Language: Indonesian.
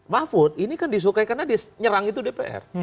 mafud ini kan disukai karena diserang itu dpr